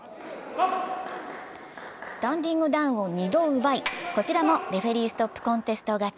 スタンディングダウンを２度奪い、こちらもレフェリーストップコンテスト勝ち。